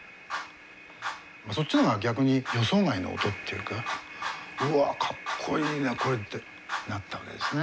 そっちの方が逆に予想外の音っていうかうわかっこいいなこれ！ってなったわけですね。